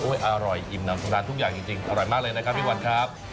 อร่อยอิ่มน้ำสำนานทุกอย่างจริงอร่อยมากเลยนะครับพี่วันครับ